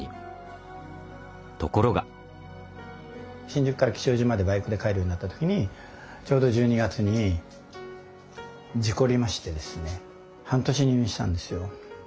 新宿から吉祥寺までバイクで帰るようになった時にちょうど１２月に事故りましてですね半年入院したんですよ。